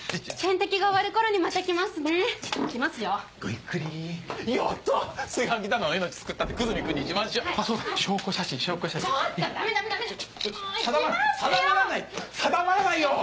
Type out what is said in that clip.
定まらないよ！